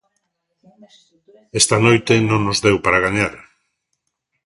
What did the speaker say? Esta noite non nos deu para gañar.